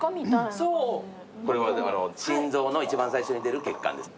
これは心臓の一番最初に出る血管です。